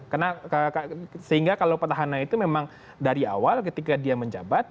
karena sehingga kalau petahana itu memang dari awal ketika dia menjabat